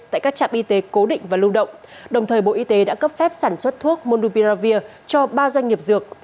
tại các trạm y tế cố định và lưu động đồng thời bộ y tế đã cấp phép sản xuất thuốc moldupiravir cho ba doanh nghiệp dược